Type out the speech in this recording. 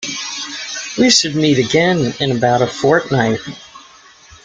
We should meet again in about a fortnight